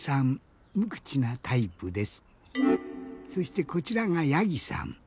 そしてこちらがやぎさん。